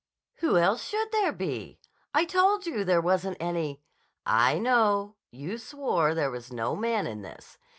"Who else should there be? I told you there wasn't any—" "I know. You swore there was no man in this.